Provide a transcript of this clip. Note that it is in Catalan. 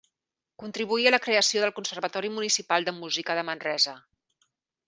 Contribuí a la creació del Conservatori Municipal de Música de Manresa.